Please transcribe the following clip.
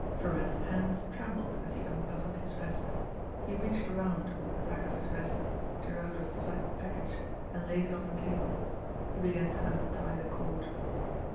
Virat's hands trembled as he unbuttoned his vest. He reached around under the back of his vest, drew out a flat package, and laid it on the table. He began to untie the cord.